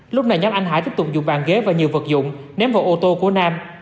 lúc này nhóm anh hải tiếp tục dùng bàn ghế và nhiều vật dụng ném vào ô tô của nam